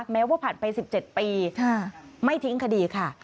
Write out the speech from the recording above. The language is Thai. แม้ว่าผ่านไปสิบเจ็ดปีค่ะไม่ทิ้งคดีค่ะค่ะ